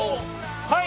はい。